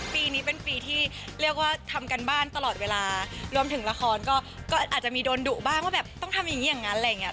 ปีนี้เป็นปีที่เรียกว่าทำการบ้านตลอดเวลารวมถึงละครก็อาจจะมีโดนดุบ้างว่าแบบต้องทำอย่างนี้อย่างนั้นอะไรอย่างเงี้